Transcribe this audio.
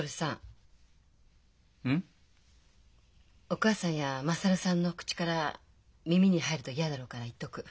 お義母さんや優さんの口から耳に入ると嫌だろうから言っとく。